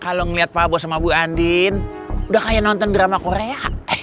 kalau ngeliat pak abo sama bu andin udah kayak nonton drama korea